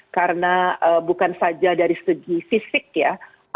karena bukan saja dari segi fisik ya